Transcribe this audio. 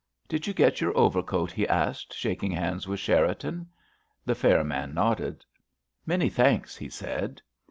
"Did you get your overcoat?" he asked, shaking hands with Cherriton. The fair man nodded. "Many thanks," he said.